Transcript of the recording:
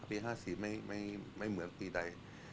ปี๕๔ไม่เหมือนปีใด